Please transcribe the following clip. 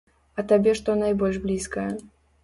А табе што найбольш блізкае?